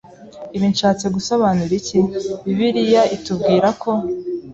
Ibi nshatse gusobanura iki? Bibiriya itubwirako